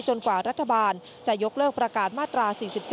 กว่ารัฐบาลจะยกเลิกประกาศมาตรา๔๔